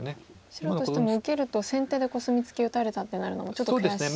白としても受けると先手でコスミツケ打たれたってなるのもちょっと悔しい。